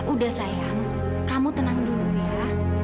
udah sayang kamu tenang dulu ya